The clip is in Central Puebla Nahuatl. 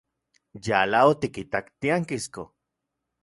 Yala otikitak tiankisko.